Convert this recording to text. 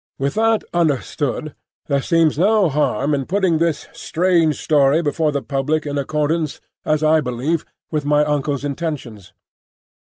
With that understood, there seems no harm in putting this strange story before the public in accordance, as I believe, with my uncle's intentions.